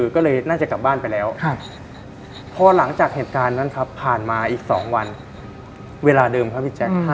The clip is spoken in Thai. ก็เลยน่าจะกลับบ้านไปแล้ว